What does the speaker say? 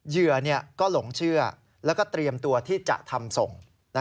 เหยื่อก็หลงเชื่อแล้วก็เตรียมตัวที่จะทำส่ง